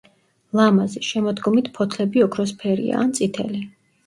ლამაზი, შემოდგომით ფოთლები ოქროსფერია ან წითელი.